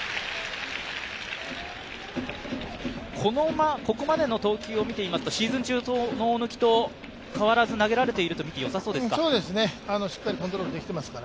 ここまでの投球を見てみますと、シーズン中の大貫と変わらず投げられていると見て良さそうですか？